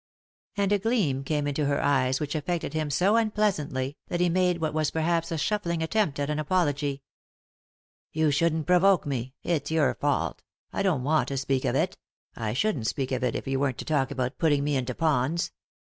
And a gleam came into her eyes which affected him so un pleasantly that he made what was perhaps a shuffling attempt at an apology. " You shouldn't provoke me ; it's your fault I don't want to speak of it J I shouldn't speak of it if you weren't to talk about putting me into ponds.